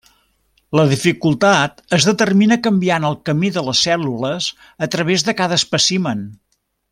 La dificultat es determina canviant el camí de les cèl·lules a través de cada espècimen.